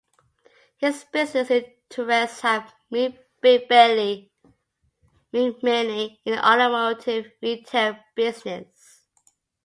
His business interests have been mainly in the automotive retail business.